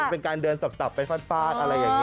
เป็นการเดินสับไปฟาดอะไรอย่างนี้